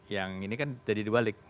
yang ini kan jadi dibalik